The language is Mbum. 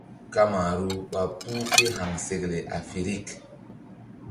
Kamaru ɓa puh ké haŋsekle afirik.